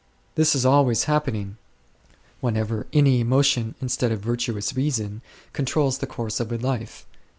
This is always happening, whenever any emotion, instead of virtuous reason, controls the course of a life.